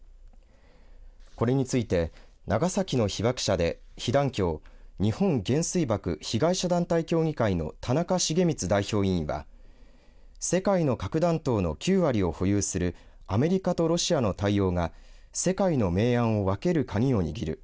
これについて長崎の被爆者で被団協日本原水爆被害者団体協議会の田中重光代表委員は世界の核弾頭の９割を保有するアメリカとロシアの対応が世界の明暗を分ける鍵を握る。